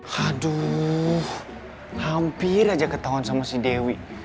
haduh hampir aja ketahuan sama si dewi